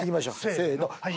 せの。